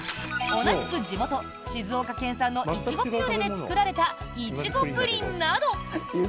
同じく地元・静岡県産のイチゴピューレで作られたイチゴプリンなど。